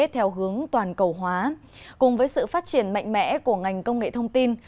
theo hướng toàn cầu hóa cùng với sự phát triển mạnh mẽ của ngành công nghệ thông tin